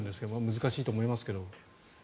難しいと思いますけども。